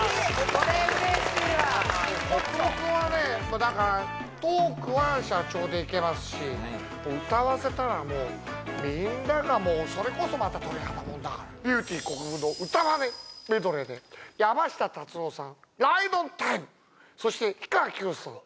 これうれしいわこくぶくんはねだからトークは社長でいけますし歌わせたらもうみんながもうそれこそまた鳥肌もんだからビューティーこくぶの歌まねメドレーで山下達郎さん「ＲＩＤＥＯＮＴＩＭＥ」そして氷川きよしさん